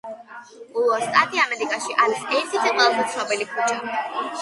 უოლ სტრიტი ამერიკაში არის ერთ ერთი ყველაზე ცნობილი ქუჩა